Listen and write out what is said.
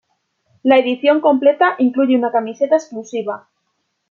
La edición completa incluye una camiseta exclusiva.